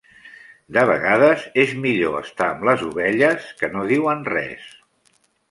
De vegades és millor estar amb les ovelles, que no diuen res.